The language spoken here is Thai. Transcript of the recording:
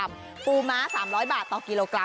ช่วงตลอด